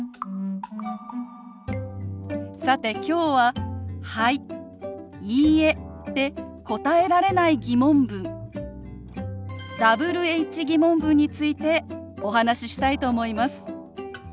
さてきょうは「はい」「いいえ」で答えられない疑問文Ｗｈ−疑問文についてお話ししたいと思います。